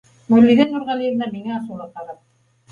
— Мәүлиҙә Нурғәлиевна миңә асыулы ҡарап.